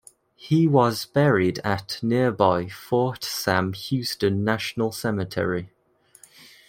He was buried at nearby Fort Sam Houston National Cemetery.